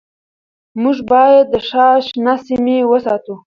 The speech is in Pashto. موږ باید د ښار شنه سیمې وساتو